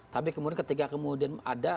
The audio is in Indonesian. tapi ketika kemudian ada